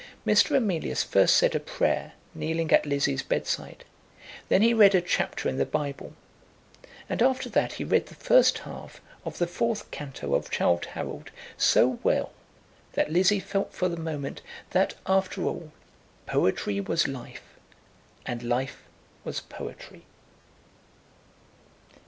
Mr. Emilius first said a prayer, kneeling at Lizzie's bedside; then he read a chapter in the Bible; and after that he read the first half of the fourth canto of Childe Harold so well, that Lizzie felt for the moment that after all, poetry was life and life was poetry.